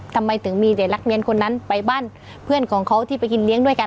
ทำไมถึงมีเด็กนักเรียนคนนั้นไปบ้านเพื่อนของเขาที่ไปกินเลี้ยงด้วยกัน